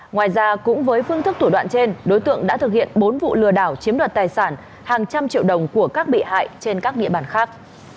ngoài ra cũng với phương thức thủ đoạn trên đối tượng đã thực hiện bốn vụ lừa đảo chiếm đoạt tài sản hàng trăm triệu đồng của các bị hại trên các địa bàn khác